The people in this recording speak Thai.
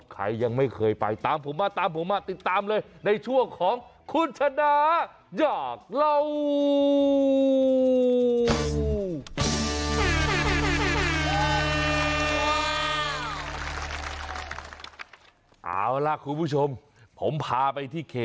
ใครยังไม่เคยไปตามผมมาตามผมมาติดตามเลยในช่วงของคุณชนะอยากเล่า